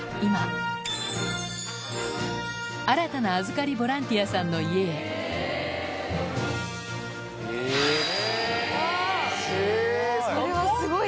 新たな預かりボランティアさんの家へへぇ散歩⁉